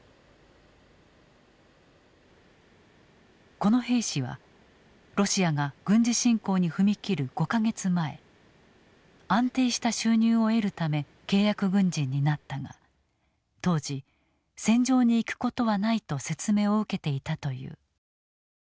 この兵士はロシアが軍事侵攻に踏み切る５か月前安定した収入を得るため契約軍人になったが当時戦場に行くことはないと説明を受けていたという。